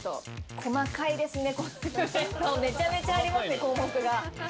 細かいですねめちゃめちゃありますね、項目が。